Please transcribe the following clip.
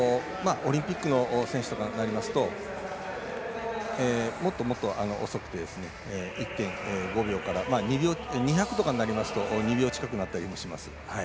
オリンピックの選手になりますともっと遅くて１．５秒から２００とかになりますと２秒くらいになったりします。